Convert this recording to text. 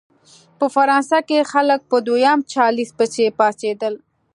په فرانسه کې خلک په دویم چارلېز پسې پاڅېدل.